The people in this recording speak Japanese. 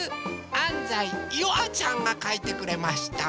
あんざいゆあちゃんがかいてくれました。